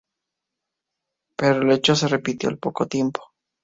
Pero el hecho se repitió al poco tiempo.